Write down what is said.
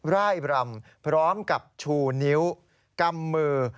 ไล่บรรมพร้อมกับชูนิ้วกำมือ